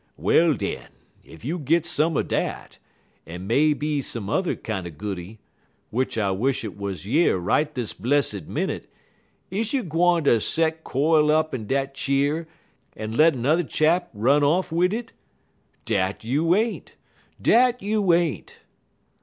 Well, den, if you gits some er dat, er may be some yuther kinder goody, w'ich I wish 't wuz yer right dis blessid minnit, is you gwine ter set quile up in dat cheer en let n'er chap run off wid it? Dat you ain't dat you ain't!"